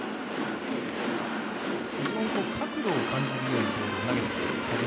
非常に角度を感じるボールを投げてきます、田嶋。